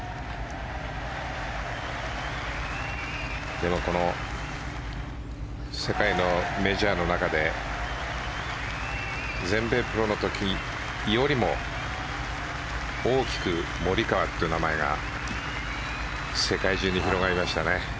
でもこの世界のメジャーの中で全米プロの時よりも大きくモリカワという名前が世界中に広がりましたね。